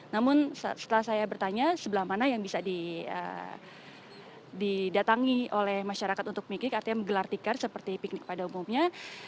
namun setelah saya bertanya sebelah mana yang bisa didatangi oleh masyarakat untuk mikir artinya menggelar tikar seperti piknik pada umumnya